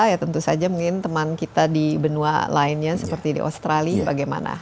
ya tentu saja mungkin teman kita di benua lainnya seperti di australia bagaimana